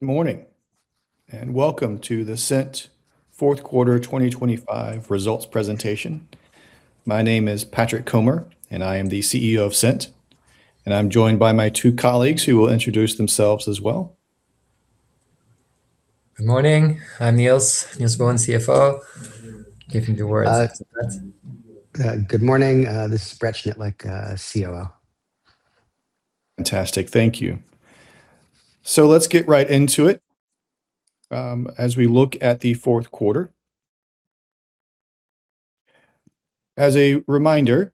Good morning, and welcome to the Cint fourth quarter 2025 results presentation. My name is Patrick Comer, and I am the CEO of Cint, and I'm joined by my two colleagues, who will introduce themselves as well. Good morning, I'm Niels Boon, CFO. Give you the words. Good morning, this is Brett Schnittlich, COO. Fantastic. Thank you. So let's get right into it, as we look at the fourth quarter. As a reminder,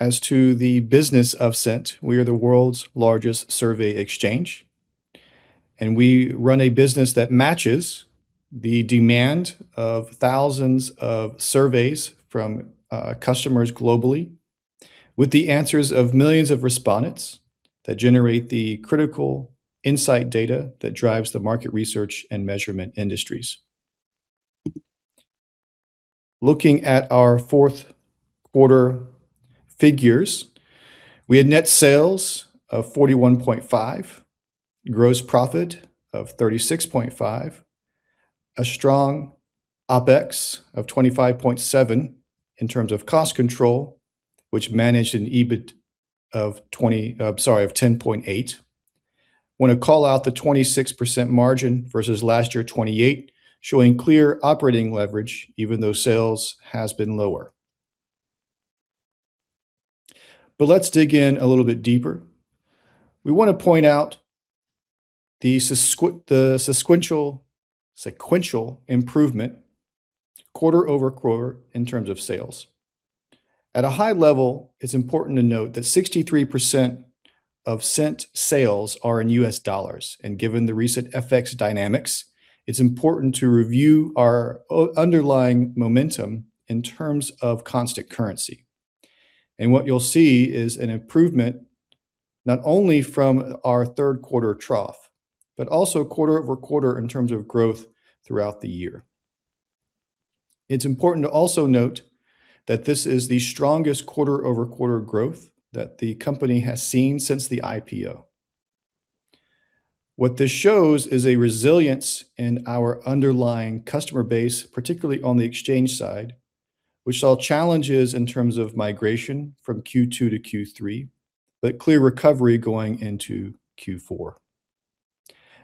as to the business of Cint, we are the world's largest survey exchange, and we run a business that matches the demand of thousands of surveys from customers globally, with the answers of millions of respondents that generate the critical insight data that drives the market research and measurement industries. Looking at our fourth quarter figures, we had net sales of 41.5, gross profit of 36.5, a strong OpEx of 25.7 in terms of cost control, which managed an EBIT of 10.8. Want to call out the 26% margin versus last year, 28%, showing clear operating leverage even though sales has been lower. But let's dig in a little bit deeper. We want to point out the sequential improvement quarter-over-quarter in terms of sales. At a high level, it's important to note that 63% of Cint sales are in U.S. dollars, and given the recent FX dynamics, it's important to review our underlying momentum in terms of constant currency. What you'll see is an improvement, not only from our third quarter trough, but also quarter-over-quarter in terms of growth throughout the year. It's important to also note that this is the strongest quarter-over-quarter growth that the company has seen since the IPO. What this shows is a resilience in our underlying customer base, particularly on the exchange side, which saw challenges in terms of migration from Q2 to Q3, but clear recovery going into Q4.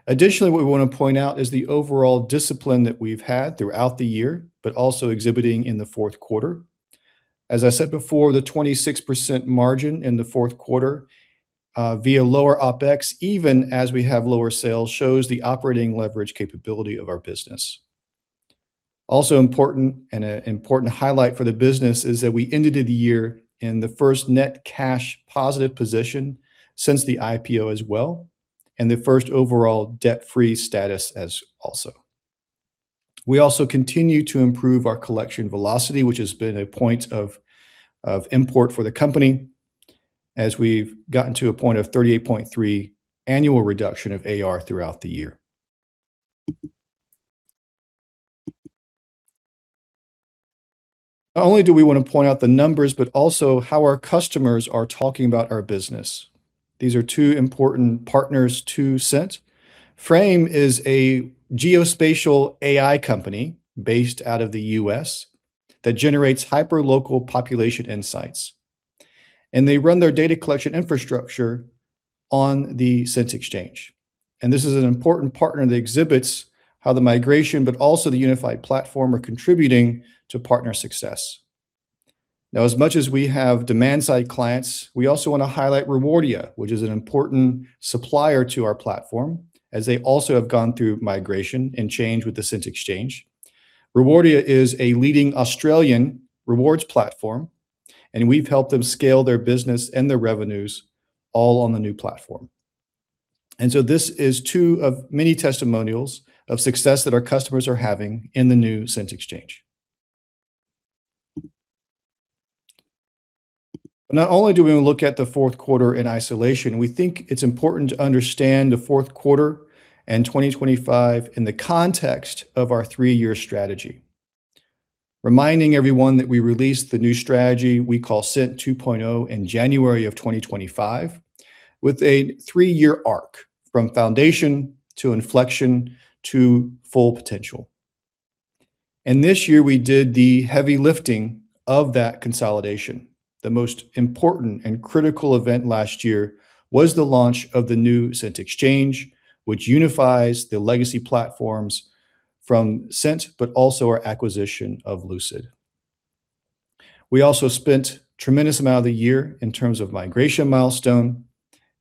Additionally, what we want to point out is the overall discipline that we've had throughout the year, but also exhibiting in the fourth quarter. As I said before, the 26% margin in the fourth quarter via lower OpEx, even as we have lower sales, shows the operating leverage capability of our business. Also important, and an important highlight for the business, is that we ended the year in the first net cash positive position since the IPO as well, and the first overall debt-free status as also. We also continue to improve our collection velocity, which has been a point of import for the company, as we've gotten to a point of 38.3 annual reduction of AR throughout the year. Not only do we want to point out the numbers, but also how our customers are talking about our business. These are two important partners to Cint. Frame is a geospatial AI company based out of the U.S., that generates hyperlocal population insights, and they run their data collection infrastructure on the Cint Exchange. And this is an important partner that exhibits how the migration, but also the unified platform, are contributing to partner success. Now, as much as we have demand-side clients, we also want to highlight Rewardia, which is an important supplier to our platform, as they also have gone through migration and change with the Cint Exchange. Rewardia is a leading Australian rewards platform, and we've helped them scale their business and their revenues all on the new platform. And so this is two of many testimonials of success that our customers are having in the new Cint Exchange. Not only do we look at the fourth quarter in isolation, we think it's important to understand the fourth quarter and 2025 in the context of our three-year strategy. Reminding everyone that we released the new strategy we call Cint 2.0 in January 2025, with a three-year arc from foundation to inflection to full potential. This year we did the heavy lifting of that consolidation. The most important and critical event last year was the launch of the new Cint Exchange, which unifies the legacy platforms from Cint, but also our acquisition of Lucid. We also spent a tremendous amount of the year in terms of migration milestone,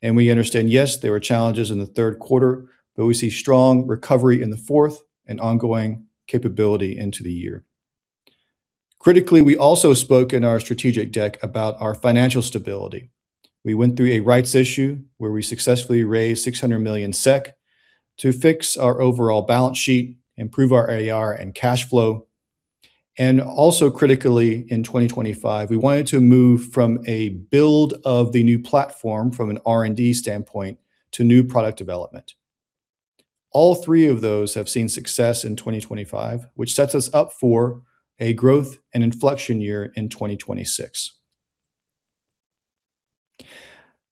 and we understand, yes, there were challenges in the third quarter, but we see strong recovery in the fourth and ongoing capability into the year. Critically, we also spoke in our strategic deck about our financial stability. We went through a rights issue where we successfully raised 600 million SEK to fix our overall balance sheet, improve our AR and cash flow. Also critically, in 2025, we wanted to move from a build of the new platform from an R&D standpoint to new product development. All three of those have seen success in 2025, which sets us up for a growth and inflection year in 2026...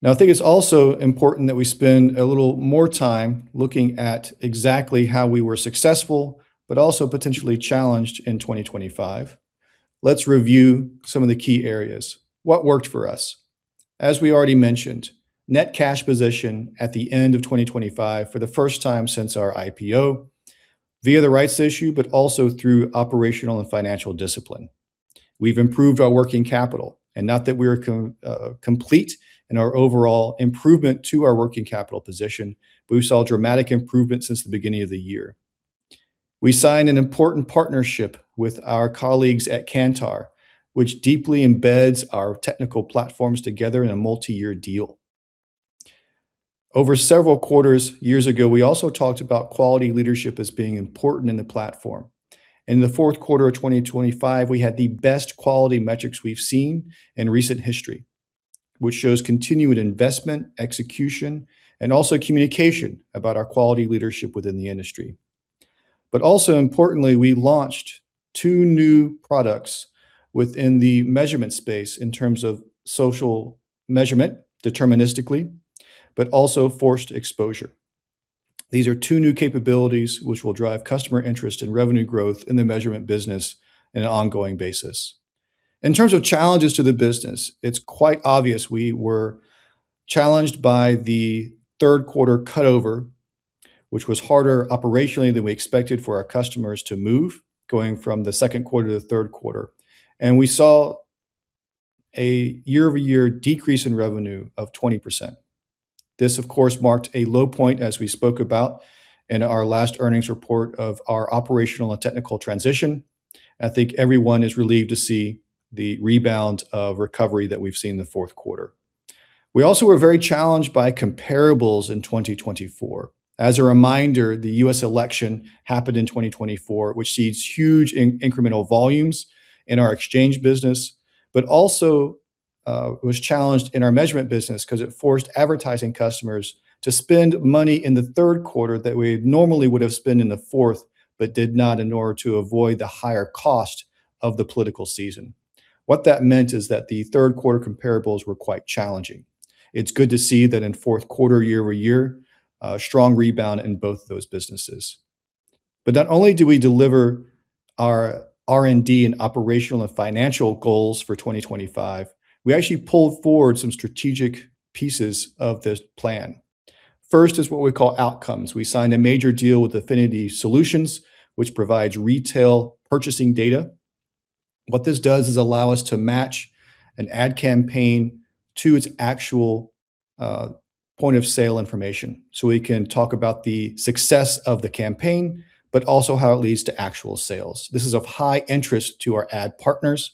Now, I think it's also important that we spend a little more time looking at exactly how we were successful, but also potentially challenged in 2025. Let's review some of the key areas. What worked for us? As we already mentioned, net cash position at the end of 2025, for the first time since our IPO, via the rights issue, but also through operational and financial discipline. We've improved our working capital, and not that we are complete in our overall improvement to our working capital position, but we saw a dramatic improvement since the beginning of the year. We signed an important partnership with our colleagues at Kantar, which deeply embeds our technical platforms together in a multi-year deal. Over several quarters years ago, we also talked about quality leadership as being important in the platform. In the fourth quarter of 2025, we had the best quality metrics we've seen in recent history, which shows continued investment, execution, and also communication about our quality leadership within the industry. But also importantly, we launched two new products within the measurement space in terms of social measurement, deterministically, but also Forced Exposure. These are two new capabilities which will drive customer interest and revenue growth in the measurement business on an ongoing basis. In terms of challenges to the business, it's quite obvious we were challenged by the third quarter cutover, which was harder operationally than we expected for our customers to move, going from the second quarter to the third quarter. We saw a year-over-year decrease in revenue of 20%. This, of course, marked a low point, as we spoke about in our last earnings report, of our operational and technical transition. I think everyone is relieved to see the rebound of recovery that we've seen in the fourth quarter. We also were very challenged by comparables in 2024. As a reminder, the U.S. election happened in 2024, which sees huge incremental volumes in our exchange business, but also was challenged in our measurement business because it forced advertising customers to spend money in the third quarter that we normally would have spent in the fourth, but did not, in order to avoid the higher cost of the political season. What that meant is that the third quarter comparables were quite challenging. It's good to see that in fourth quarter, year-over-year, a strong rebound in both those businesses. But not only do we deliver our R&D and operational and financial goals for 2025, we actually pulled forward some strategic pieces of this plan. First is what we call outcomes. We signed a major deal with Affinity Solutions, which provides retail purchasing data. What this does is allow us to match an ad campaign to its actual point-of-sale information, so we can talk about the success of the campaign, but also how it leads to actual sales. This is of high interest to our ad partners.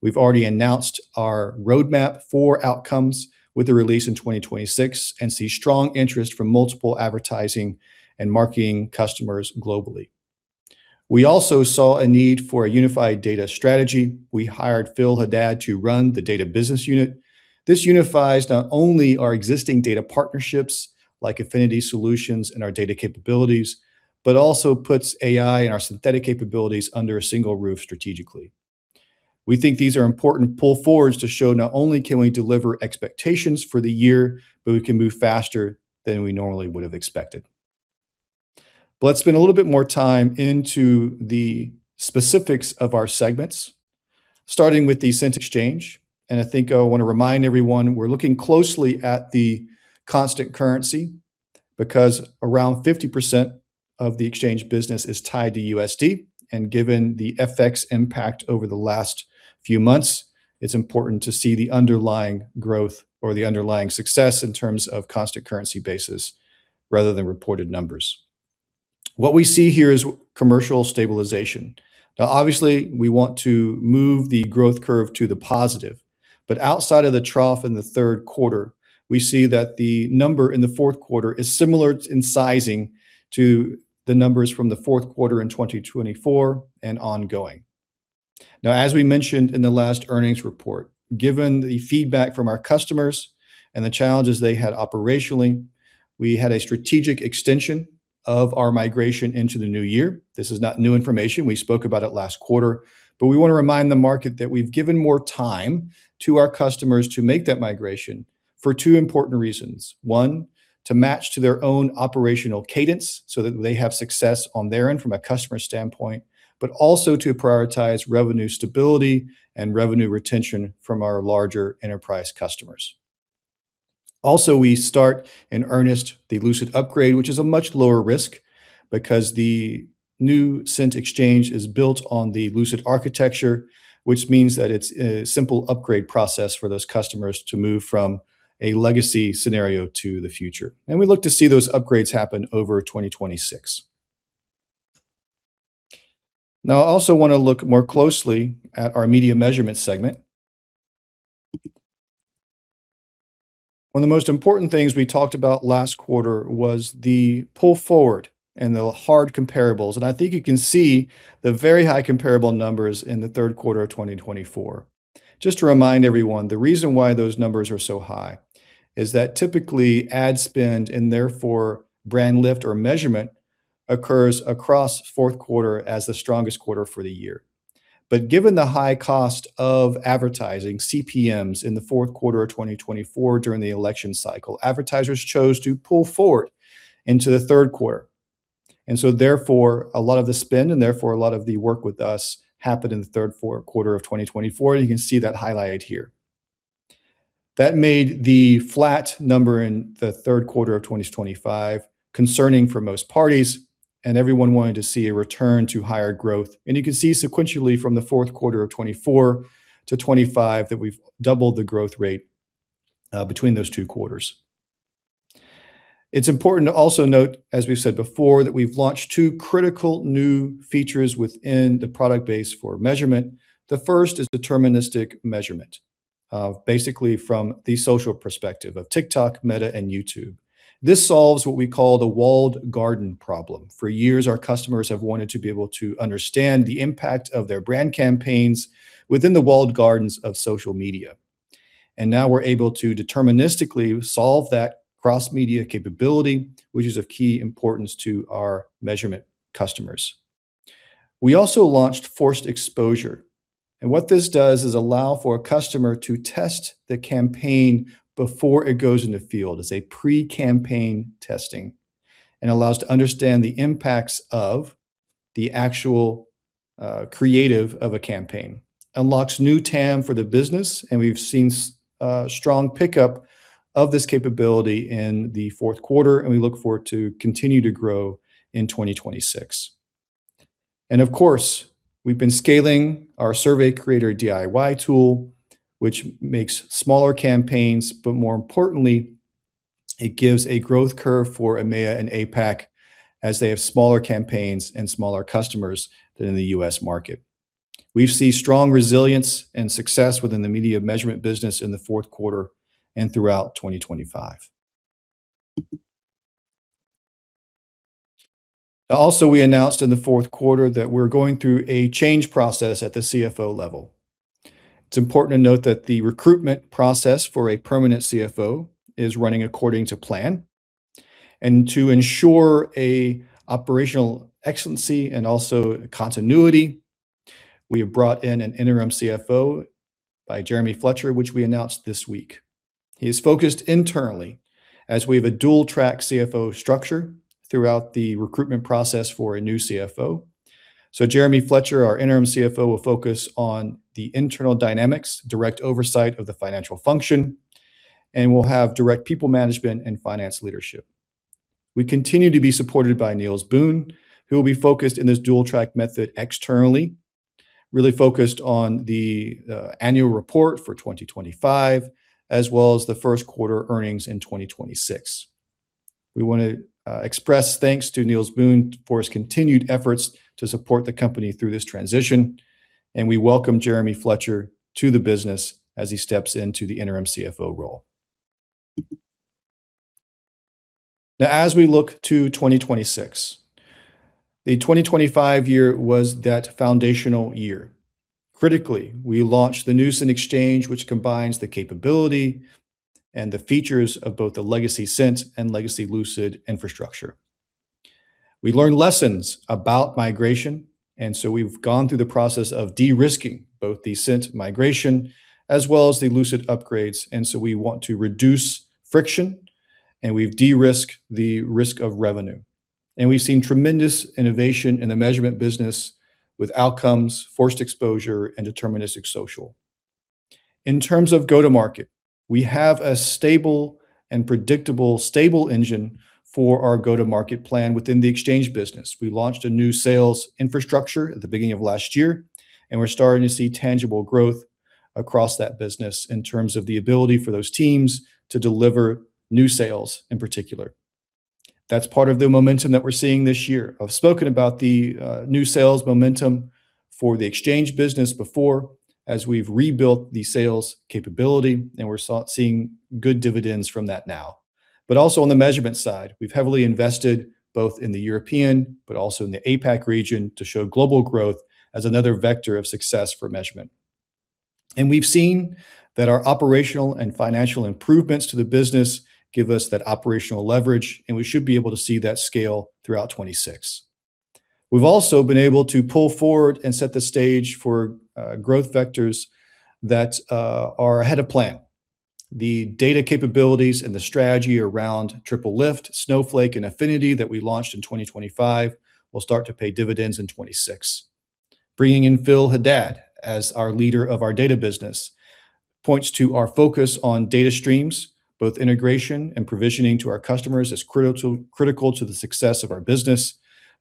We've already announced our roadmap for outcomes with the release in 2026 and see strong interest from multiple advertising and marketing customers globally. We also saw a need for a unified data strategy. We hired Phil Ahad to run the data business unit. This unifies not only our existing data partnerships, like Affinity Solutions and our data capabilities, but also puts AI and our synthetic capabilities under a single roof strategically. We think these are important pull forwards to show not only can we deliver expectations for the year, but we can move faster than we normally would have expected. But let's spend a little bit more time into the specifics of our segments, starting with the Cint Exchange, and I think I want to remind everyone, we're looking closely at the constant currency, because around 50% of the exchange business is tied to U.S.D, and given the FX impact over the last few months, it's important to see the underlying growth or the underlying success in terms of constant currency basis, rather than reported numbers. What we see here is commercial stabilization. Now, obviously, we want to move the growth curve to the positive, but outside of the trough in the third quarter, we see that the number in the fourth quarter is similar in sizing to the numbers from the fourth quarter in 2024 and ongoing. Now, as we mentioned in the last earnings report, given the feedback from our customers and the challenges they had operationally, we had a strategic extension of our migration into the new year. This is not new information. We spoke about it last quarter, but we want to remind the market that we've given more time to our customers to make that migration for two important reasons. One, to match to their own operational cadence so that they have success on their end from a customer standpoint, but also to prioritize revenue stability and revenue retention from our larger enterprise customers. Also, we start in earnest the Lucid upgrade, which is a much lower risk because the new Cint Exchange is built on the Lucid architecture, which means that it's a simple upgrade process for those customers to move from a legacy scenario to the future. And we look to see those upgrades happen over 2026. Now, I also want to look more closely at our media measurement segment. One of the most important things we talked about last quarter was the pull forward and the hard comparables, and I think you can see the very high comparable numbers in the third quarter of 2024. Just to remind everyone, the reason why those numbers are so high is that typically ad spend, and therefore brand lift or measurement occurs across fourth quarter as the strongest quarter for the year. But given the high cost of advertising, CPMs in the fourth quarter of 2024 during the election cycle, advertisers chose to pull forward into the third quarter. Therefore, a lot of the spend, and therefore a lot of the work with us happened in the third and fourth quarter of 2024, and you can see that highlighted here. That made the flat number in the third quarter of 2025 concerning for most parties, and everyone wanted to see a return to higher growth. You can see sequentially from the fourth quarter of 2024 to 2025, that we've doubled the growth rate between those two quarters. It's important to also note, as we've said before, that we've launched two critical new features within the product base for measurement. The first is deterministic measurement, basically from the social perspective of TikTok, Meta, and YouTube. This solves what we call the walled garden problem. For years, our customers have wanted to be able to understand the impact of their brand campaigns within the walled gardens of social media. And now we're able to deterministically solve that cross-media capability, which is of key importance to our measurement customers. We also launched Forced Exposure, and what this does is allow for a customer to test the campaign before it goes in the field, as a pre-campaign testing, and allows to understand the impacts of the actual creative of a campaign. Unlocks new TAM for the business, and we've seen strong pickup of this capability in the fourth quarter, and we look forward to continue to grow in 2026. Of course, we've been scaling our Survey Creator DIY tool, which makes smaller campaigns, but more importantly, it gives a growth curve for EMEA and APAC as they have smaller campaigns and smaller customers than in the U.S. market. We've seen strong resilience and success within the media measurement business in the fourth quarter and throughout 2025. Also, we announced in the fourth quarter that we're going through a change process at the CFO level. It's important to note that the recruitment process for a permanent CFO is running according to plan. And to ensure an operational excellence and also continuity, we have brought in an interim CFO by Jeremy Fletcher, which we announced this week. He is focused internally as we have a dual track CFO structure throughout the recruitment process for a new CFO. So Jeremy Fletcher, our interim CFO, will focus on the internal dynamics, direct oversight of the financial function, and will have direct people management and finance leadership. We continue to be supported by Niels Boon, who will be focused in this dual-track method externally, really focused on the annual report for 2025, as well as the first quarter earnings in 2026. We want to express thanks to Niels Boon for his continued efforts to support the company through this transition, and we welcome Jeremy Fletcher to the business as he steps into the interim CFO role. Now, as we look to 2026, the 2025 year was that foundational year. Critically, we launched the Cint Exchange, which combines the capability and the features of both the legacy Cint and legacy Lucid infrastructure. We learned lessons about migration, and so we've gone through the process of de-risking both the Cint migration as well as the Lucid upgrades, and so we want to reduce friction, and we've de-risked the risk of revenue. We've seen tremendous innovation in the measurement business with outcomes, Forced Exposure, and deterministic social. In terms of go-to-market, we have a stable and predictable, stable engine for our go-to-market plan within the exchange business. We launched a new sales infrastructure at the beginning of last year, and we're starting to see tangible growth across that business in terms of the ability for those teams to deliver new sales in particular. That's part of the momentum that we're seeing this year. I've spoken about the new sales momentum for the exchange business before as we've rebuilt the sales capability, and we're seeing good dividends from that now. But also on the measurement side, we've heavily invested both in the European but also in the APAC region to show global growth as another vector of success for measurement. And we've seen that our operational and financial improvements to the business give us that operational leverage, and we should be able to see that scale throughout 2026. We've also been able to pull forward and set the stage for growth vectors that are ahead of plan. The data capabilities and the strategy around TripleLift, Snowflake, and Affinity that we launched in 2025 will start to pay dividends in 2026. Bringing in Phil Ahad as our leader of our data business, points to our focus on data streams, both integration and provisioning to our customers, is critical to the success of our business,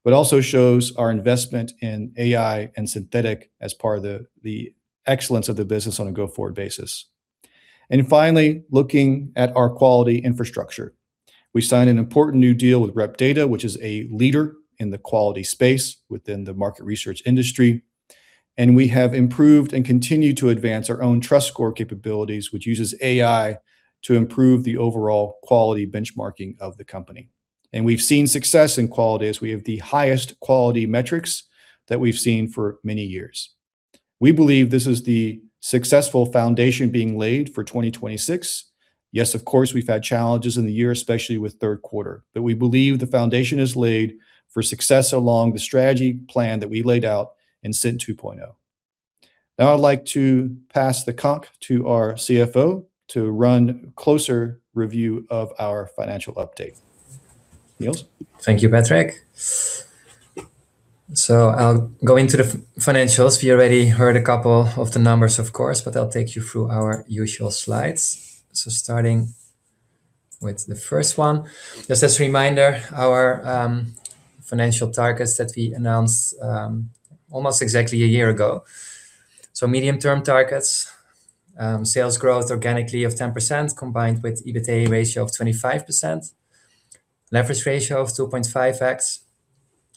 but also shows our investment in AI and synthetic as part of the, the excellence of the business on a go-forward basis. And finally, looking at our quality infrastructure. We signed an important new deal with Rep Data, which is a leader in the quality space within the market research industry, and we have improved and continued to advance our own Trust Score capabilities, which uses AI to improve the overall quality benchmarking of the company. And we've seen success in quality, as we have the highest quality metrics that we've seen for many years.... We believe this is the successful foundation being laid for 2026. Yes, of course, we've had challenges in the year, especially with third quarter, but we believe the foundation is laid for success along the strategy plan that we laid out in Cint 2.0. Now I'd like to pass the conch to our CFO to run closer review of our financial update. Niels? Thank you, Patrick. I'll go into the financials. We already heard a couple of the numbers, of course, but I'll take you through our usual slides. Starting with the first one, just as a reminder, our financial targets that we announced almost exactly a year ago. Medium-term targets, sales growth organically of 10%, combined with EBITA ratio of 25%, leverage ratio of 2.5x,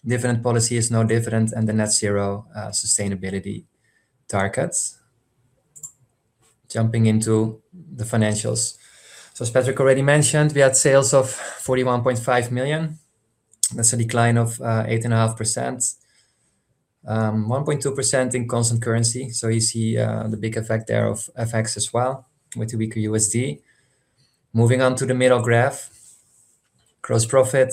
dividend policy is no dividend, and the net zero sustainability targets. Jumping into the financials. As Patrick already mentioned, we had sales of 41.5 million. That's a decline of 8.5%, 1.2% in constant currency. You see the big effect there of FX as well, with the weaker U.S.D. Moving on to the middle graph, gross profit,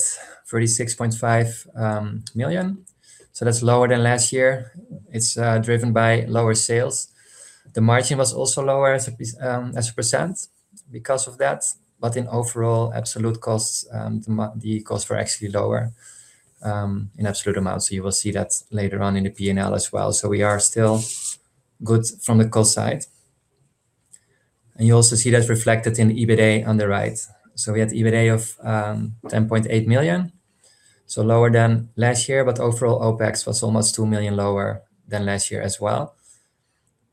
36.5 million. So that's lower than last year. It's driven by lower sales. The margin was also lower as a percent because of that, but in overall absolute costs, the costs were actually lower in absolute amount. So you will see that later on in the P&L as well. So we are still good from the cost side. And you also see that reflected in EBITA on the right. So we had EBITA of 10.8 million, so lower than last year, but overall, OpEx was almost 2 million lower than last year as well.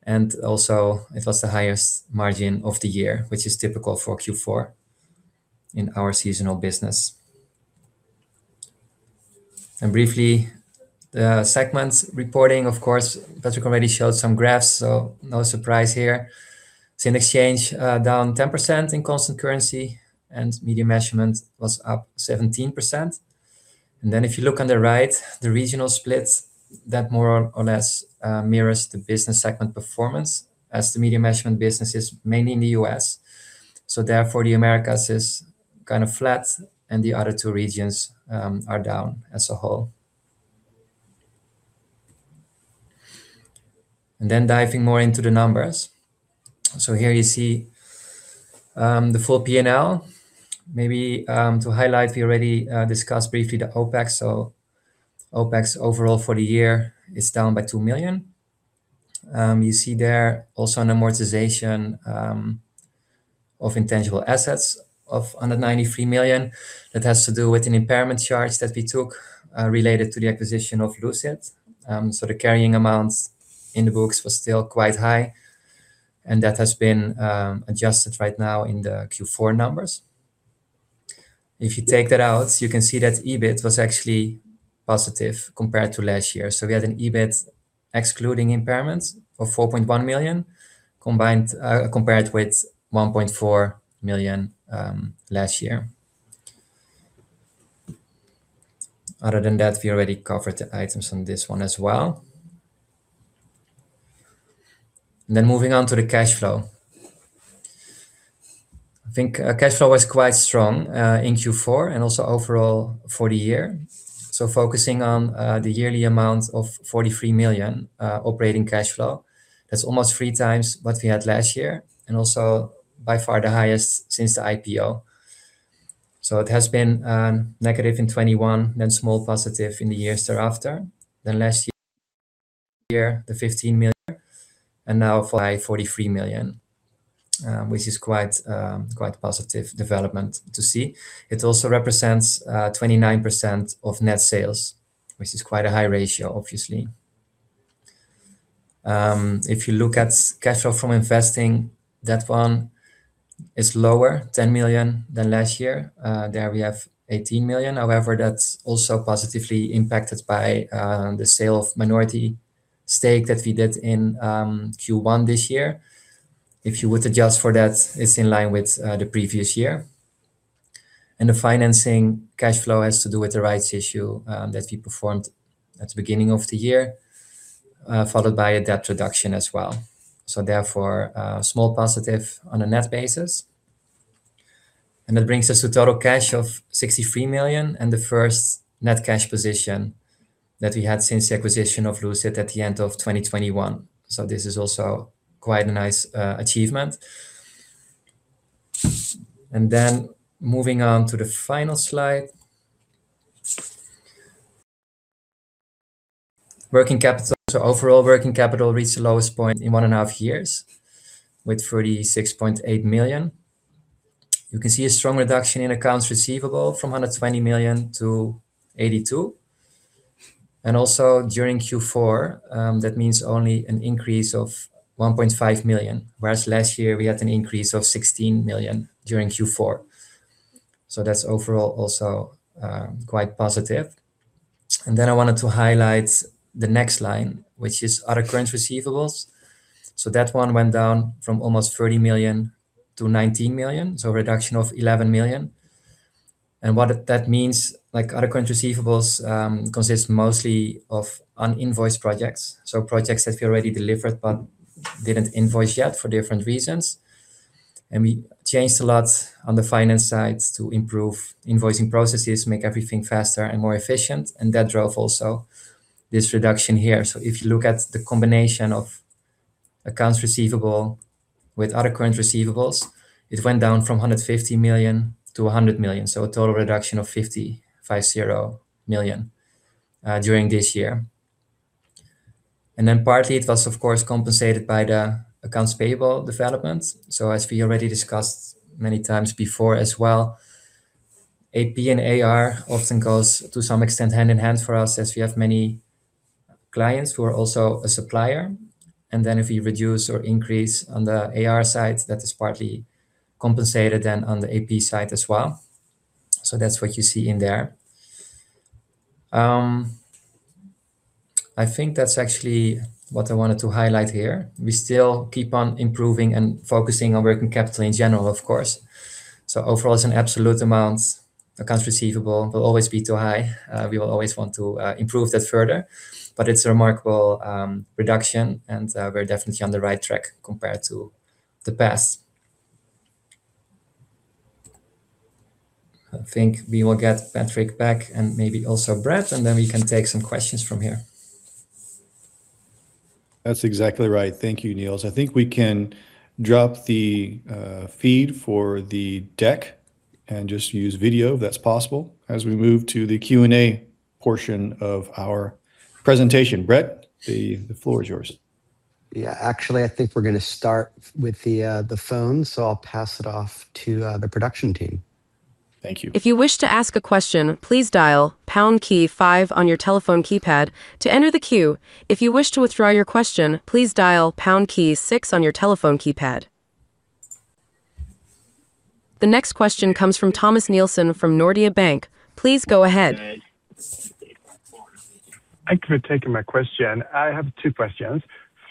And also, it was the highest margin of the year, which is typical for Q4 in our seasonal business. Briefly, the segments reporting, of course, Patrick already showed some graphs, so no surprise here. So in exchange, down 10% in constant currency, and media measurement was up 17%. And then if you look on the right, the regional splits, that more or less mirrors the business segment performance as the media measurement business is mainly in the U.S. So therefore, the Americas is kind of flat, and the other two regions are down as a whole. And then diving more into the numbers. So here you see the full P and L. Maybe to highlight, we already discussed briefly the OpEx, so OpEx overall for the year is down by 2 million. You see there also an amortization of intangible assets of under 93 million. That has to do with an impairment charge that we took, related to the acquisition of Lucid. So the carrying amounts in the books was still quite high, and that has been, adjusted right now in the Q4 numbers. If you take that out, you can see that EBIT was actually positive compared to last year. So we had an EBIT excluding impairments of 4.1 million, combined, compared with 1.4 million, last year. Other than that, we already covered the items on this one as well. Then moving on to the cash flow. I think, cash flow was quite strong, in Q4 and also overall for the year. So focusing on the yearly amount of 43 million operating cash flow, that's almost three times what we had last year, and also by far the highest since the IPO. It has been negative in 2021, then small positive in the years thereafter. Last year, year, the 15 million, and now 43 million, which is quite, quite a positive development to see. It also represents 29% of net sales, which is quite a high ratio, obviously. If you look at cash flow from investing, that one is lower, 10 million, than last year. There we have 18 million. However, that's also positively impacted by the sale of minority stake that we did in Q1 this year. If you were to adjust for that, it's in line with the previous year. The financing cash flow has to do with the Rights Issue that we performed at the beginning of the year, followed by a debt reduction as well. So therefore, a small positive on a net basis. That brings us to total cash of 63 million and the first net cash position that we had since the acquisition of Lucid at the end of 2021. So this is also quite a nice achievement. Then moving on to the final slide. Working capital. So overall, working capital reached the lowest point in one and a half years with 46.8 million. You can see a strong reduction in accounts receivable from 120 million to 82 million. Also during Q4, that means only an increase of 1.5 million, whereas last year we had an increase of 16 million during Q4. So that's overall also quite positive. Then I wanted to highlight the next line, which is other current receivables. So that one went down from almost 30 million SEK to 19 million SEK, so a reduction of 11 million SEK. And what that means, like, other current receivables consists mostly of uninvoiced projects. So projects that we already delivered but didn't invoice yet for different reasons. And we changed a lot on the finance side to improve invoicing processes, make everything faster and more efficient, and that drove also this reduction here. So if you look at the combination of accounts receivable with other current receivables, it went down from 150 million SEK to 100 million SEK. So a total reduction of 55 million during this year. And then partly it was of course compensated by the accounts payable developments. So as we already discussed many times before as well, A.P. and A.R. often goes to some extent hand in hand for us, as we have many clients who are also a supplier, and then if we reduce or increase on the AR side, that is partly compensated then on the AP side as well. So that's what you see in there. I think that's actually what I wanted to highlight here. We still keep on improving and focusing on working capital in general, of course. So overall, as an absolute amount, accounts receivable will always be too high. We will always want to improve that further, but it's a remarkable reduction, and we're definitely on the right track compared to the past. I think we will get Patrick back and maybe also Brett, and then we can take some questions from here. That's exactly right. Thank you, Niels. I think we can drop the feed for the deck and just use video, if that's possible, as we move to the Q&A portion of our presentation. Brett, the floor is yours. Yeah. Actually, I think we're gonna start with the phone, so I'll pass it off to the production team. Thank you. If you wish to ask a question, please dial pound key five on your telephone keypad to enter the queue. If you wish to withdraw your question, please dial pound key six on your telephone keypad. The next question comes from Thomas Nielsen, from Nordea Bank. Please go ahead. Thank you for taking my question. I have two questions.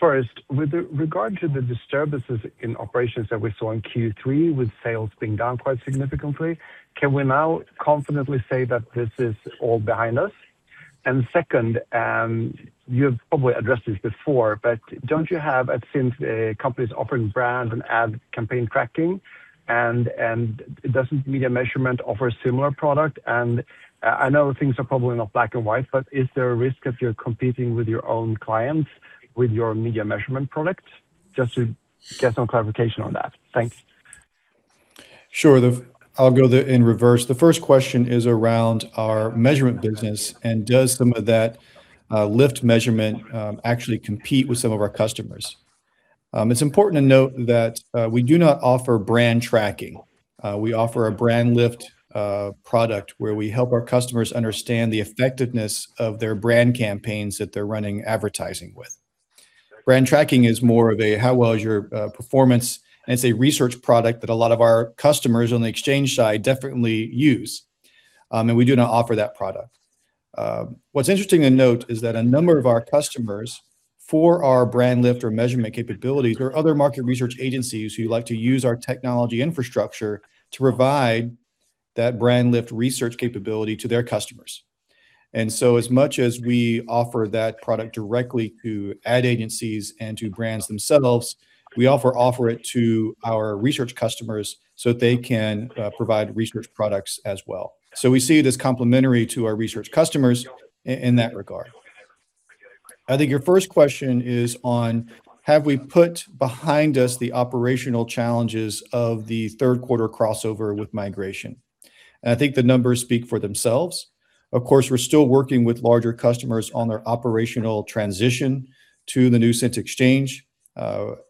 First, with regard to the disturbances in operations that we saw in Q3, with sales being down quite significantly, can we now confidently say that this is all behind us? And second, you've probably addressed this before, but don't you have, at Cint, companies offering brand and ad campaign tracking and, doesn't media measurement offer a similar product? And, I know things are probably not black and white, but is there a risk if you're competing with your own clients, with your media measurement product? Just to get some clarification on that. Thanks. Sure. I'll go in reverse. The first question is around our measurement business and does some of that lift measurement actually compete with some of our customers? It's important to note that we do not offer Brand Tracking. We offer a Brand Lift product, where we help our customers understand the effectiveness of their brand campaigns that they're running advertising with. Brand Tracking is more of a, how well is your performance? And it's a research product that a lot of our customers on the exchange side definitely use. And we do not offer that product. What's interesting to note is that a number of our customers for our Brand Lift or measurement capabilities, there are other market research agencies who like to use our technology infrastructure to provide that Brand Lift research capability to their customers. And so as much as we offer that product directly to ad agencies and to brands themselves, we also offer it to our research customers, so they can provide research products as well. So we see it as complementary to our research customers in that regard. I think your first question is on, have we put behind us the operational challenges of the third quarter crossover with migration? And I think the numbers speak for themselves. Of course, we're still working with larger customers on their operational transition to the new Cint Exchange.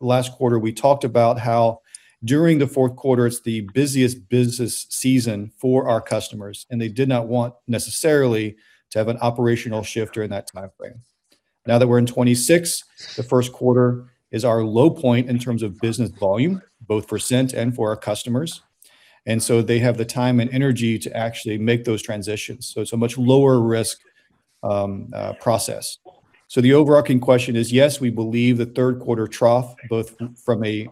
Last quarter, we talked about how during the fourth quarter, it's the busiest business season for our customers, and they did not want necessarily to have an operational shift during that time frame. Now that we're in 2026, the first quarter is our low point in terms of business volume, both for Cint and for our customers, and so they have the time and energy to actually make those transitions. So it's a much lower risk process. So the overarching question is, yes, we believe the third quarter trough, both from a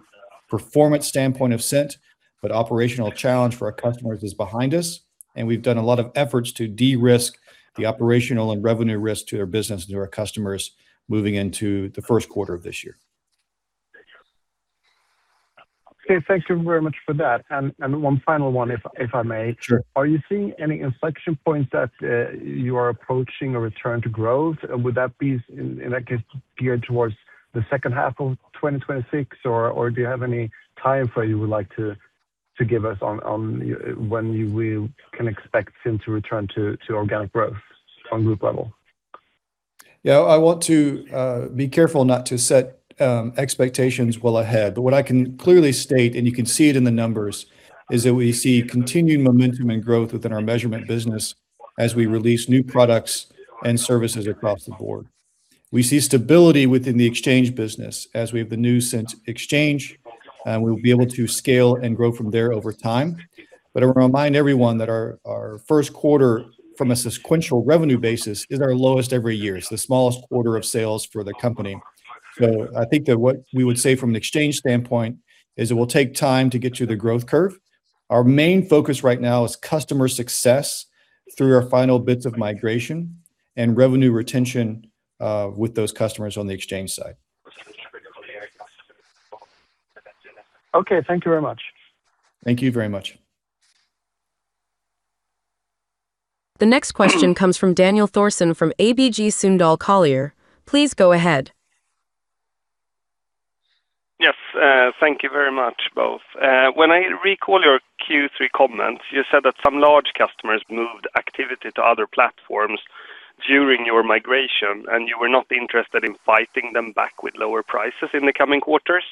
performance standpoint of Cint, but operational challenge for our customers is behind us, and we've done a lot of efforts to de-risk the operational and revenue risk to our business and to our customers moving into the first quarter of this year. Okay. Thank you very much for that. And one final one, if I may. Sure. Are you seeing any inflection points that you are approaching a return to growth? Would that be in that case geared towards the second half of 2026, or do you have any time frame you would like to give us on when we can expect Cint to return to organic growth on group level? Yeah, I want to be careful not to set expectations well ahead. But what I can clearly state, and you can see it in the numbers, is that we see continued momentum and growth within our measurement business as we release new products and services across the board. We see stability within the exchange business as we have the new Cint Exchange, and we'll be able to scale and grow from there over time. But I wanna remind everyone that our first quarter, from a sequential revenue basis, is our lowest every year. It's the smallest quarter of sales for the company. So I think that what we would say from an exchange standpoint is it will take time to get to the growth curve. Our main focus right now is customer success through our final bits of migration and revenue retention, with those customers on the exchange side. Okay, thank you very much. Thank you very much. The next question comes from Daniel Thorsson from ABG Sundal Collier. Please go ahead. Yes, thank you very much, both. When I recall your Q3 comments, you said that some large customers moved activity to other platforms during your migration, and you were not interested in fighting them back with lower prices in the coming quarters.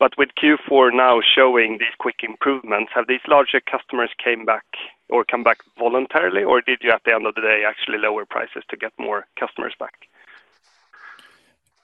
But with Q4 now showing these quick improvements, have these larger customers came back or come back voluntarily, or did you, at the end of the day, actually lower prices to get more customers back?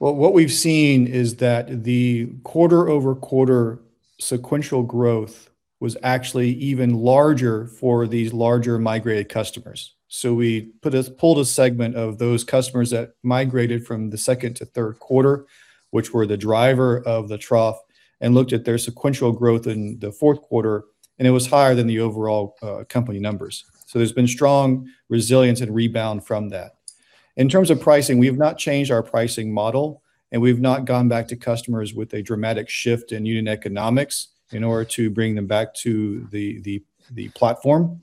Well, what we've seen is that the quarter-over-quarter sequential growth was actually even larger for these larger migrated customers. So we pulled a segment of those customers that migrated from the second to third quarter, which were the driver of the trough, and looked at their sequential growth in the fourth quarter, and it was higher than the overall company numbers. So there's been strong resilience and rebound from that. In terms of pricing, we have not changed our pricing model, and we've not gone back to customers with a dramatic shift in unit economics in order to bring them back to the, the, the platform.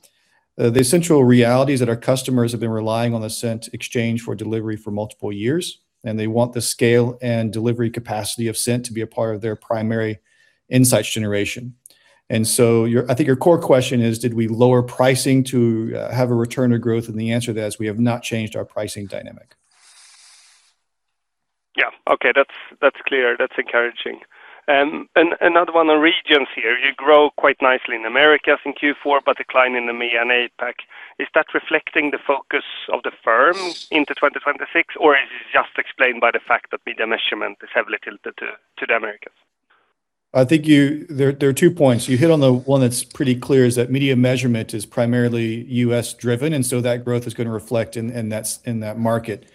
The essential reality is that our customers have been relying on the Cint Exchange for delivery for multiple years, and they want the scale and delivery capacity of Cint to be a part of their primary insights generation. And so your... I think your core question is, did we lower pricing to have a return on growth? And the answer to that is, we have not changed our pricing dynamic. Yeah, okay. That's, that's clear. That's encouraging. And another one on regions here. You grow quite nicely in Americas in Q4, but decline in the EMEA and APAC. Is that reflecting the focus of the firm into 2026, or is it just explained by the fact that media measurement is heavily tilted to, to the Americas? I think there are two points. You hit on the one that's pretty clear, is that media measurement is primarily U.S. driven, and so that growth is gonna reflect in that market.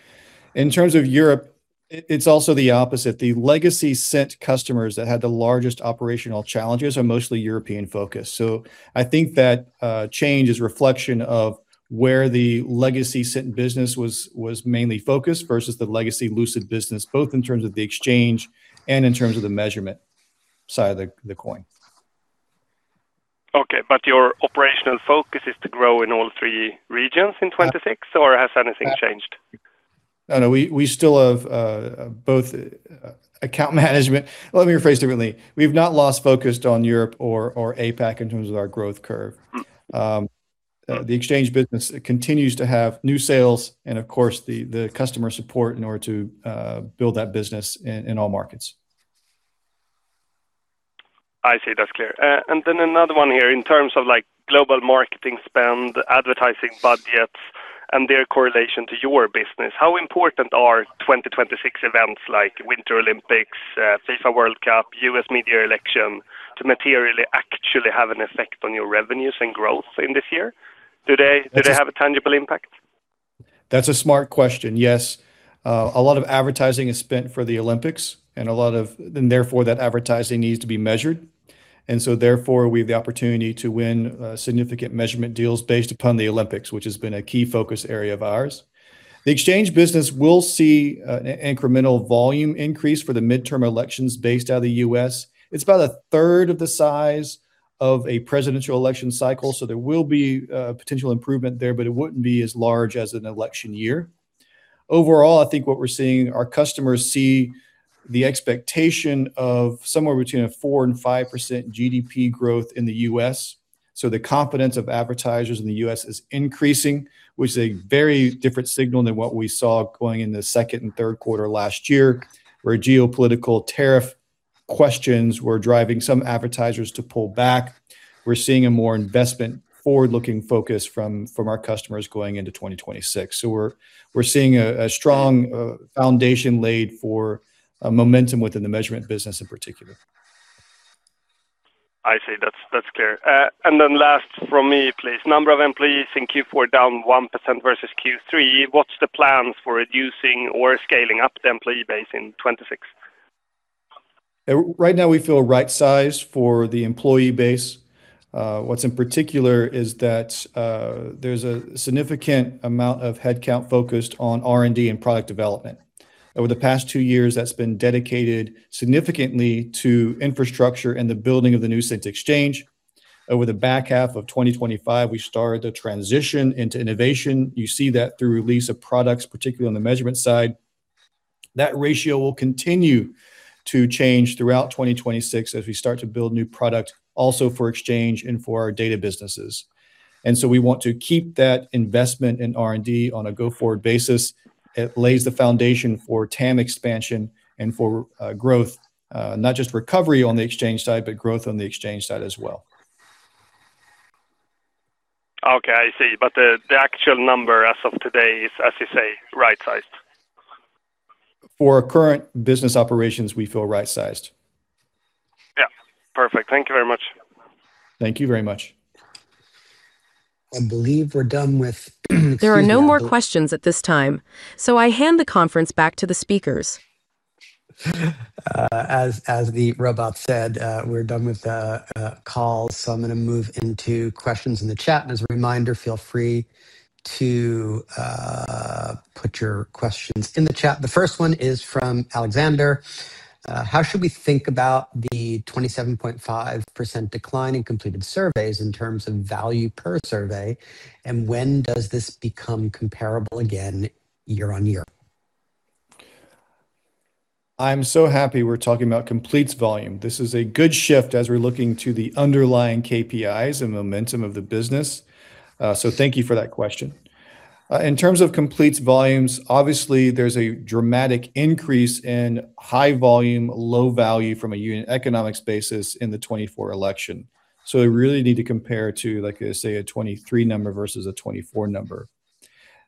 In terms of Europe, it's also the opposite. The legacy Cint customers that had the largest operational challenges are mostly European focused. So I think that change is reflection of where the legacy Cint business was mainly focused versus the legacy Lucid business, both in terms of the exchange and in terms of the measurement side of the coin. Okay, but your operational focus is to grow in all three regions in 2026, or has anything changed? No, no, we, we still have both account management... Let me rephrase differently. We've not lost focus on Europe or, or APAC in terms of our growth curve. Mm. The exchange business continues to have new sales and, of course, the customer support in order to build that business in all markets. I see. That's clear. And then another one here. In terms of like global marketing spend, advertising budgets, and their correlation to your business, how important are 2026 events like Winter Olympics, FIFA World Cup, U.S. midterm election, to materially actually have an effect on your revenues and growth in this year? Do they- That's- Do they have a tangible impact? That's a smart question. Yes, a lot of advertising is spent for the Olympics and a lot of... And therefore, that advertising needs to be measured. And so therefore, we have the opportunity to win significant measurement deals based upon the Olympics, which has been a key focus area of ours. The exchange business will see an incremental volume increase for the midterm elections based out of the U.S.. It's about a third of the size of a presidential election cycle, so there will be potential improvement there, but it wouldn't be as large as an election year. Overall, I think what we're seeing, our customers see the expectation of somewhere between a 4%-5% GDP growth in the U.S.. So the confidence of advertisers in the U.S. is increasing, which is a very different signal than what we saw going in the second and third quarter last year, where geopolitical tariff questions were driving some advertisers to pull back. We're seeing a more investment-forward-looking focus from our customers going into 2026. So we're seeing a strong foundation laid for a momentum within the measurement business in particular. I see. That's, that's clear. And then last from me, please. Number of employees in Q4 down 1% versus Q3. What's the plans for reducing or scaling up the employee base in 2026? Right now, we feel right sized for the employee base. What's in particular is that, there's a significant amount of headcount focused on R&D and product development. Over the past two years, that's been dedicated significantly to infrastructure and the building of the new Cint Exchange. Over the back half of 2025, we started to transition into innovation. You see that through release of products, particularly on the measurement side. That ratio will continue to change throughout 2026 as we start to build new product also for exchange and for our data businesses. And so we want to keep that investment in R&D on a go-forward basis. It lays the foundation for TAM expansion and for, growth, not just recovery on the exchange side, but growth on the exchange side as well. Okay, I see. But the actual number as of today is, as you say, right sized? For current business operations, we feel right-sized. Yeah. Perfect. Thank you very much. Thank you very much. ... I believe we're done with, excuse me- There are no more questions at this time, so I hand the conference back to the speakers. As the robot said, we're done with the call, so I'm gonna move into questions in the chat. And as a reminder, feel free to put your questions in the chat. The first one is from Alexander: "How should we think about the 27.5% decline in completed surveys in terms of value per survey, and when does this become comparable again year-on-year? I'm so happy we're talking about completes volume. This is a good shift as we're looking to the underlying KPIs and momentum of the business. So thank you for that question. In terms of completes volumes, obviously, there's a dramatic increase in high volume, low value from a unit economics basis in the 2024 election. So we really need to compare to, like, say, a 2023 number versus a 2024 number.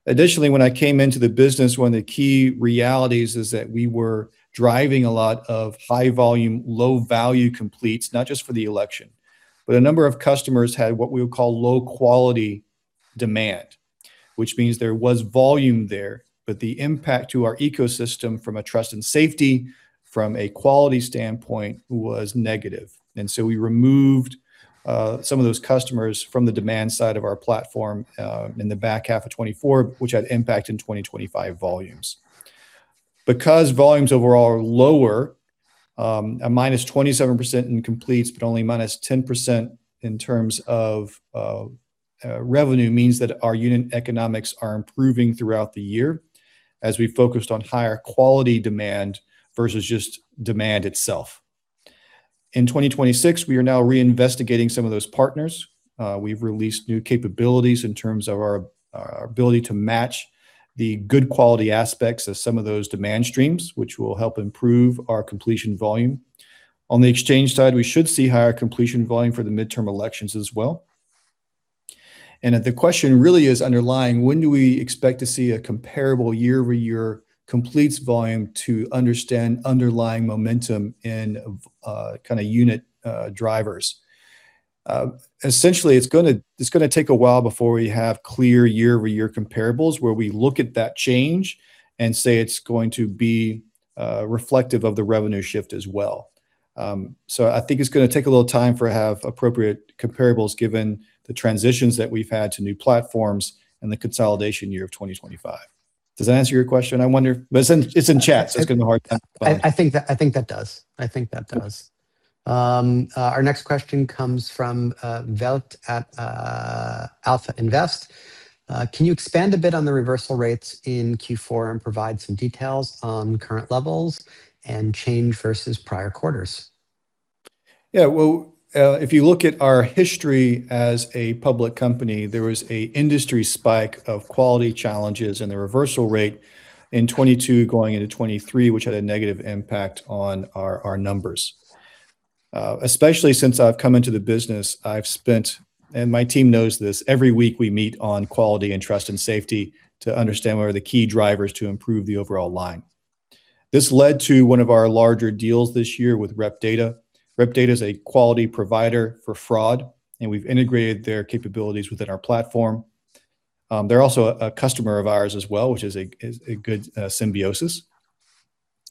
Additionally, when I came into the business, one of the key realities is that we were driving a lot of high volume, low value completes, not just for the election. But a number of customers had what we would call low-quality demand, which means there was volume there, but the impact to our ecosystem from a trust and safety, from a quality standpoint, was negative. And so we removed some of those customers from the demand side of our platform in the back half of 2024, which had impact in 2025 volumes. Because volumes overall are lower, a -27% in completes, but only -10% in terms of revenue, means that our unit economics are improving throughout the year, as we focused on higher quality demand versus just demand itself. In 2026, we are now reinvestigating some of those partners. We've released new capabilities in terms of our ability to match the good quality aspects of some of those demand streams, which will help improve our completion volume. On the exchange side, we should see higher completion volume for the midterm elections as well. And if the question really is underlying, when do we expect to see a comparable year-over-year completes volume to understand underlying momentum and, kind of unit, drivers? Essentially, it's gonna, it's gonna take a while before we have clear year-over-year comparables, where we look at that change and say it's going to be, reflective of the revenue shift as well. So I think it's gonna take a little time for have appropriate comparables, given the transitions that we've had to new platforms and the consolidation year of 2025. Does that answer your question? I wonder... But it's in, it's in chat, so it's gonna be hard to- I think that does. Our next question comes from Velt at Alpha Invest: "Can you expand a bit on the reversal rates in Q4 and provide some details on current levels and change versus prior quarters? Yeah, well, if you look at our history as a public company, there was an industry spike of quality challenges and the reversal rate in 2022 going into 2023, which had a negative impact on our numbers. Especially since I've come into the business, I've spent... And my team knows this, every week we meet on quality and trust and safety to understand what are the key drivers to improve the overall line. This led to one of our larger deals this year with Rep Data. Rep Data is a quality provider for fraud, and we've integrated their capabilities within our platform. They're also a customer of ours as well, which is a good symbiosis.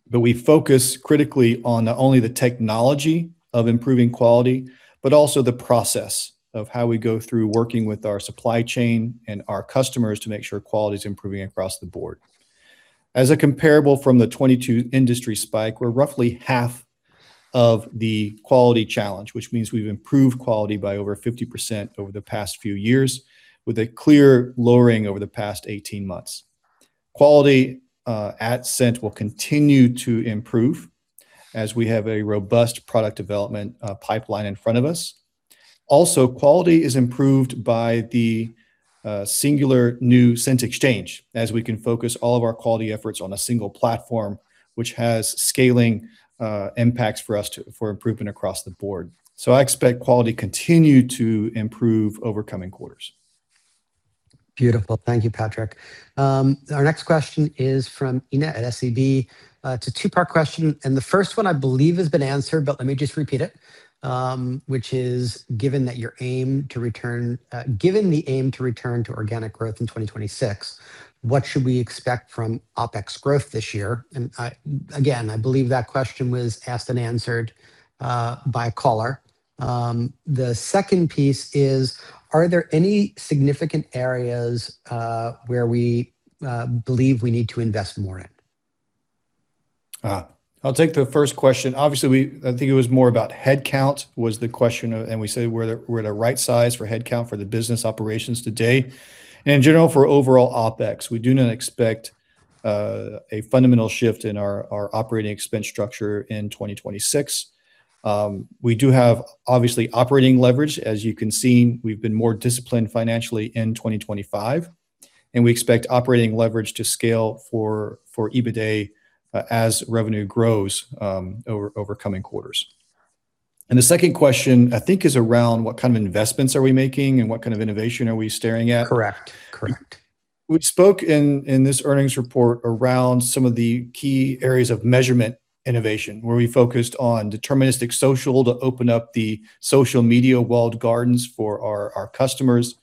But we focus critically on not only the technology of improving quality, but also the process of how we go through working with our supply chain and our customers to make sure quality is improving across the board. As a comparable from the 2022 industry spike, we're roughly half of the quality challenge, which means we've improved quality by over 50% over the past few years, with a clear lowering over the past 18 months. Quality at Cint will continue to improve, as we have a robust product development pipeline in front of us. Also, quality is improved by the singular new Cint Exchange, as we can focus all of our quality efforts on a single platform, which has scaling impacts for improvement across the board. So I expect quality continue to improve over coming quarters. Beautiful. Thank you, Patrick. Our next question is from Ina at SCB. It's a two-part question, and the first one, I believe, has been answered, but let me just repeat it. Which is, given the aim to return to organic growth in 2026, what should we expect from OpEx growth this year? And, again, I believe that question was asked and answered by a caller. The second piece is, are there any significant areas where we believe we need to invest more in? I'll take the first question. Obviously, we—I think it was more about headcount, was the question, and we said we're the right size for headcount for the business operations today. And in general, for overall OpEx, we do not expect a fundamental shift in our operating expense structure in 2026. We do have, obviously, operating leverage. As you can see, we've been more disciplined financially in 2025, and we expect operating leverage to scale for EBITDA as revenue grows over coming quarters. And the second question, I think, is around what kind of investments are we making and what kind of innovation are we staring at? Correct. Correct.... We spoke in this earnings report around some of the key areas of measurement innovation, where we focused on deterministic social to open up the social media walled gardens for our customers.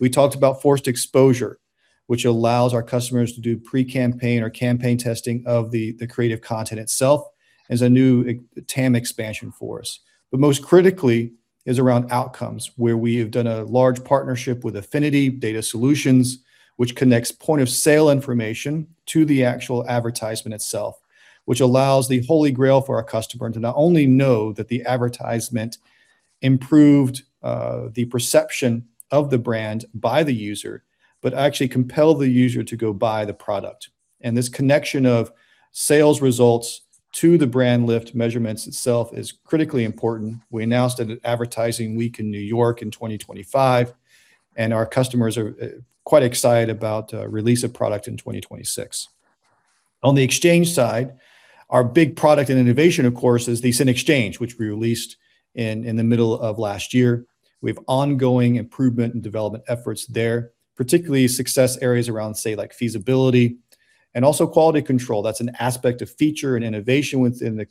We talked about Forced Exposure, which allows our customers to do pre-campaign or campaign testing of the creative content itself as a new TAM expansion for us. But most critically is around outcomes, where we have done a large partnership with Affinity Solutions, which connects point-of-sale information to the actual advertisement itself, which allows the holy grail for our customer to not only know that the advertisement improved the perception of the brand by the user, but actually compel the user to go buy the product. And this connection of sales results to the brand lift measurements itself is critically important. We announced it at Advertising Week in New York in 2025, and our customers are quite excited about release of product in 2026. On the exchange side, our big product and innovation, of course, is the Cint Exchange, which we released in the middle of last year. We have ongoing improvement and development efforts there, particularly success areas around, say, like feasibility and also quality control. That's an aspect of feature and innovation within the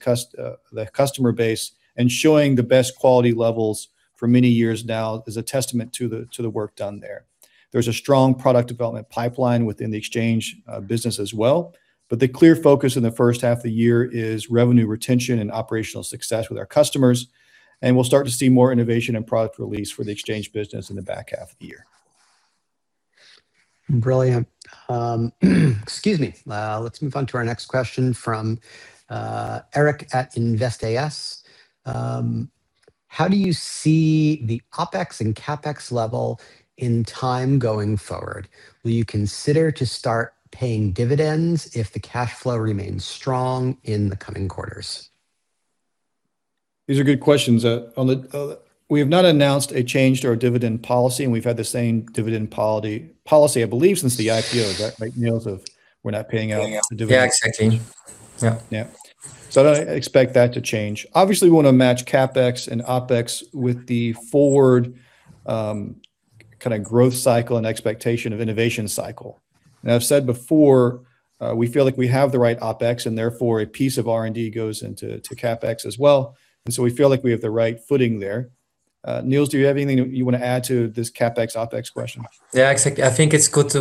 customer base, and showing the best quality levels for many years now is a testament to the work done there. There's a strong product development pipeline within the exchange business as well, but the clear focus in the first half of the year is revenue retention and operational success with our customers, and we'll start to see more innovation and product release for the exchange business in the back half of the year. Brilliant. Excuse me. Let's move on to our next question from Eric at Invest AS. How do you see the OpEx and CapEx level in time going forward? Will you consider to start paying dividends if the cash flow remains strong in the coming quarters? These are good questions. We have not announced a change to our dividend policy, and we've had the same dividend policy, I believe, since the IPO. Is that right, Niels, or we're not paying out- Paying out. The dividends? Yeah, exactly. Yeah. Yeah. So I don't expect that to change. Obviously, we want to match CapEx and OpEx with the forward, kind of growth cycle and expectation of innovation cycle. And I've said before, we feel like we have the right OpEx, and therefore, a piece of R&D goes into CapEx as well, and so we feel like we have the right footing there. Niels, do you have anything you want to add to this CapEx, OpEx question? Yeah, exactly. I think it's good to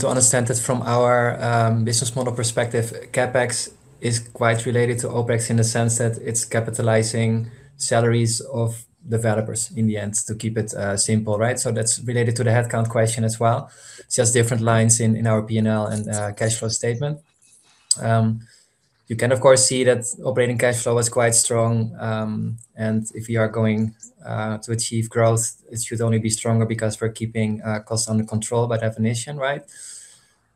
to understand this from our, business model perspective. CapEx is quite related to OpEx in the sense that it's capitalizing salaries of developers in the end, to keep it, simple, right? So that's related to the headcount question as well, just different lines in our P&L and, cash flow statement. You can, of course, see that operating cash flow is quite strong, and if you are going, to achieve growth, it should only be stronger because we're keeping, costs under control by definition, right?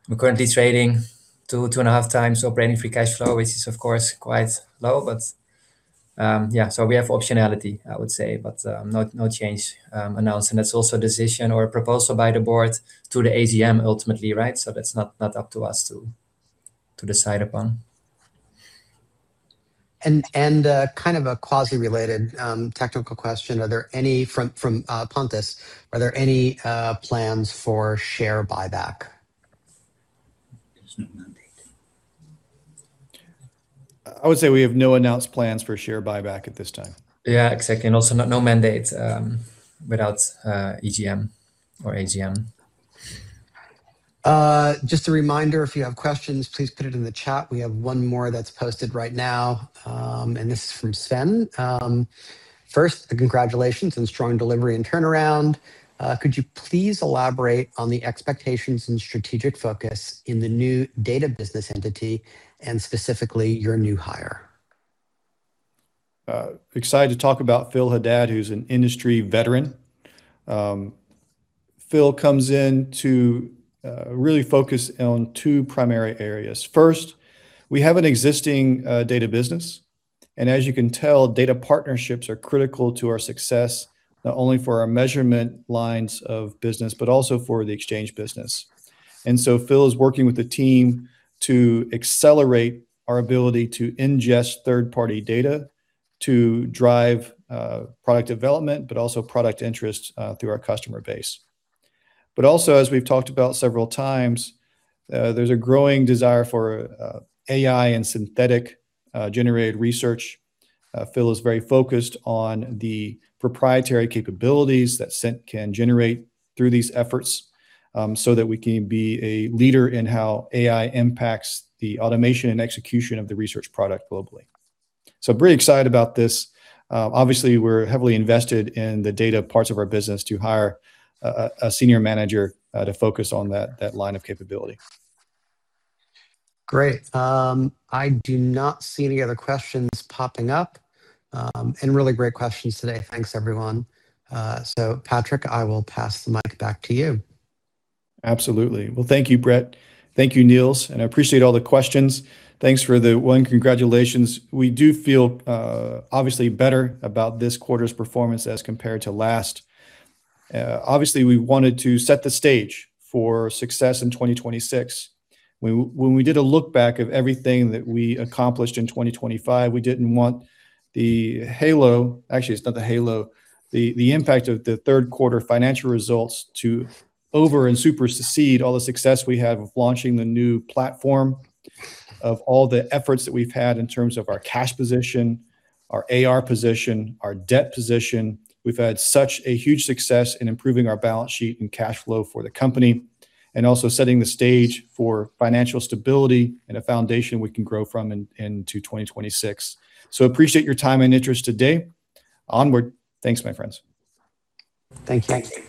We're currently trading 2-2.5x operating free cash flow, which is, of course, quite low, but yeah, so we have optionality, I would say, but no change announced, and it's also a decision or a proposal by the board to the AGM ultimately, right? So that's not up to us to decide upon. Kind of a quasi-related technical question. Are there any... From Pontus, are there any plans for share buyback? There's no mandate. I would say we have no announced plans for share buyback at this time. Yeah, exactly, and also no mandate without EGM or AGM. Just a reminder, if you have questions, please put it in the chat. We have one more that's posted right now, and this is from Sven. First, congratulations on strong delivery and turnaround. Could you please elaborate on the expectations and strategic focus in the new data business entity, and specifically, your new hire? Excited to talk about Phil Ahad, who's an industry veteran. Phil comes in to really focus on two primary areas. First, we have an existing data business, and as you can tell, data partnerships are critical to our success, not only for our measurement lines of business, but also for the exchange business. And so Phil is working with the team to accelerate our ability to ingest third-party data to drive product development, but also product interest through our customer base. But also, as we've talked about several times, there's a growing desire for AI and synthetic generated research. Phil is very focused on the proprietary capabilities that Cint can generate through these efforts, so that we can be a leader in how AI impacts the automation and execution of the research product globally. So pretty excited about this. Obviously, we're heavily invested in the data parts of our business to hire a senior manager to focus on that line of capability. Great. I do not see any other questions popping up, and really great questions today. Thanks, everyone. So Patrick, I will pass the mic back to you. Absolutely. Well, thank you, Brett. Thank you, Niels, and I appreciate all the questions. Thanks for the well congratulations. We do feel, obviously better about this quarter's performance as compared to last. Obviously, we wanted to set the stage for success in 2026. When we did a look back of everything that we accomplished in 2025, we didn't want the halo... Actually, it's not the halo, the impact of the third quarter financial results to over and supersede all the success we had with launching the new platform, of all the efforts that we've had in terms of our cash position, our AR position, our debt position. We've had such a huge success in improving our balance sheet and cash flow for the company, and also setting the stage for financial stability and a foundation we can grow from into 2026. Appreciate your time and interest today. Onward. Thanks, my friends. Thank you. Thanks.